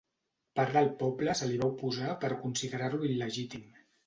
Part del poble se li va oposar per considerar-lo il·legítim.